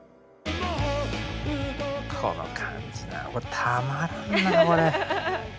この感じなこれたまらんなこれ。